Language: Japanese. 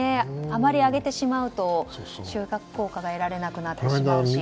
あまり上げてしまうと集客効果が得られなくなってしまうし。